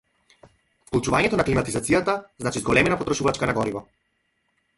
Вклучувањето на климатизацијата значи зголемена потрошувачка на гориво.